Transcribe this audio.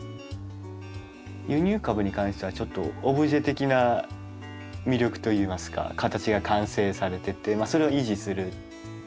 輸入株に関してはちょっとオブジェ的な魅力といいますか形が完成されててそれを維持する。